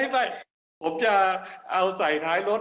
ไม่ผมจะเอาใส่ท้ายรถ